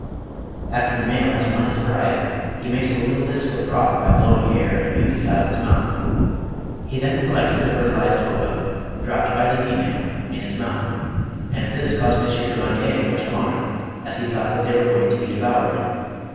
After the male has won his bride, he makes a little disc of froth by blowing air and mucus out of his mouth. He then collects the fertilised ova, dropped by the female, in his mouth; and this caused M. Carbonnier much alarm, as he thought that they were going to be devoured.